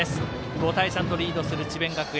５対３とリードする智弁学園。